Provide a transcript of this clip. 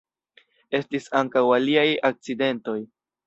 Estis ankaŭ aliaj akcidentoj.